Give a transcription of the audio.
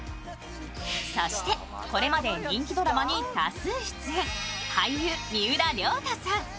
そして、これまで人気ドラマに多数出演俳優・三浦りょう太さん。